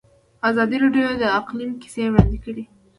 ازادي راډیو د اقلیم کیسې وړاندې کړي.